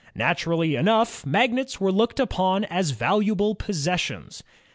Naturally enough, magnets were looked upon as valuable possessions.